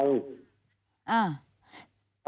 อ่า